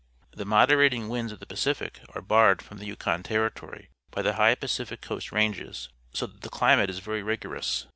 The moderating winds of the Pacific are barred from the Yukon Territory by the high Pacific Coast Ranges, so that the climate is very rigorous.